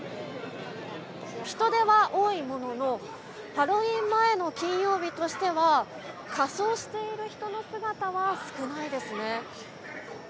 人出は多いもののハロウィーン前の金曜日としては仮装している人の姿は少ないですね。